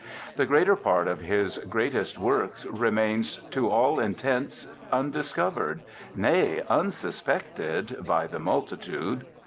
The greater part of his greatest works remains to all intents, undiscovered—nay, unsuspected—by the multitude.